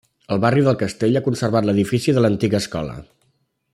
El barri del Castell ha conservat l'edifici de l'antiga escola.